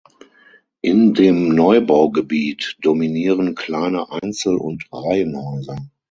In dem Neubaugebiet dominieren kleine Einzel- und Reihenhäuser.